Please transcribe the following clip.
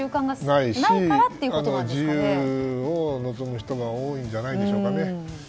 ないし、自由を望む人が多いんじゃないでしょうかね。